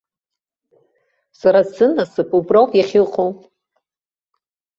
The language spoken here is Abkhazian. Сара сынасыԥ уброуп иахьыҟоу!